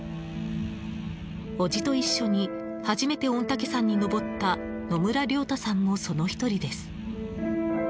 おじと一緒に初めて御嶽山に登った野村亮太さんもその１人です。